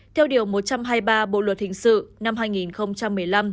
theo điều một trăm hai mươi ba bộ luật hình sự năm hai nghìn một mươi năm